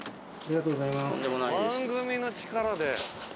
番組の力で。